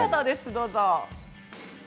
どうぞ。